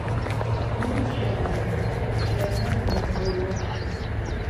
Мыр чэмы, чэмыр мэбыу.